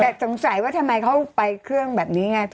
แต่สงสัยว่าทำไมเขาไปเครื่องแบบนี้ไง